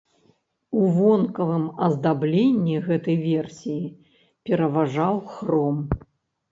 У вонкавым аздабленні гэтай версіі пераважаў хром.